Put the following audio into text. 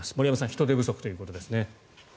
人手不足ということですね。